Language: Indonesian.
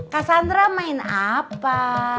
kak sandra main apa